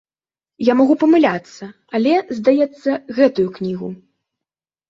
Я магу памыляцца, але, здаецца, гэтую кнігу.